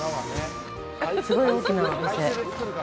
すごい大きなお店。